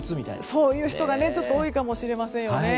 そういう人が多いかもしれませんよね。